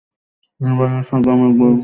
তিনি বললেন, সাদা মেঘ বলতে পার।